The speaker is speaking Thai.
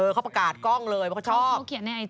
เขาประกาศกล้องเลยว่าเขาชอบ